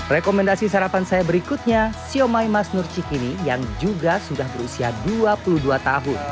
rekomendasi sarapan saya berikutnya siomay mas nur cikini yang juga sudah berusia dua puluh dua tahun